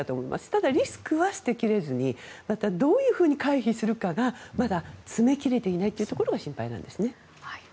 ただ、リスクは捨て切れずにどういうふうに回避するかがまだ詰め切れていないところが問題なんですね。